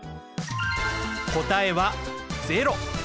答えは０。